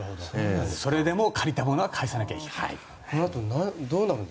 それでも借りたものは返さないといけない。